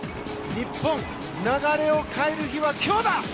日本、流れを変える日は今日だ！